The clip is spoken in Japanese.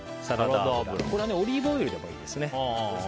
これはオリーブオイルでもいいですね。